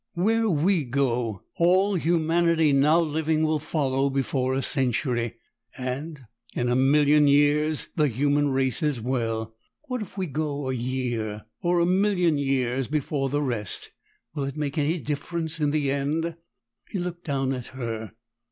Where we go, all humanity now living will follow before a century, and in a million years, the human race as well! What if we go a year or a million years before the rest? Will it make any difference in the end?" He looked down at her.